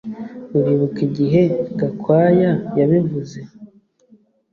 Uribuka igihe Gakwaya yabivuze